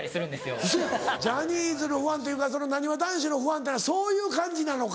ウソやんジャニーズのファンというかなにわ男子のファンってそういう感じなのか。